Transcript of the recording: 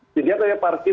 jadi ada yang parkir